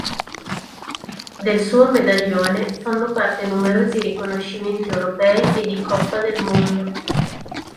Del suo medagliere fanno parte numerosi riconoscimenti europei e di Coppa del Mondo.